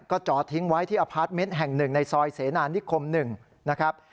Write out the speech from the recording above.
จอดทิ้งไว้ที่อพาร์ทเมนต์แห่ง๑ในซอยเสนานิคม๑นะครับ